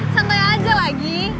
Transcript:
santai aja lagi